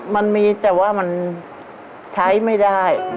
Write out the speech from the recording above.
มันมีแต่ว่ามันใช้ไม่ได้